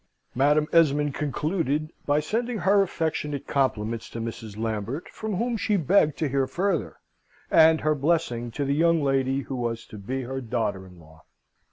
Madam Esmond concluded by sending her affectionate compliments to Mrs. Lambert, from whom she begged to hear further, and her blessing to the young lady who was to be her daughter in law.